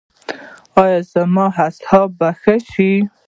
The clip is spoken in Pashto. ایا زما اعصاب به ښه شي؟